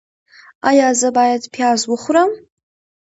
ایا زه باید پیاز وخورم؟